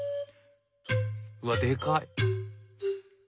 うわでかい。